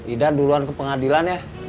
ida duluan ke pengadilan ya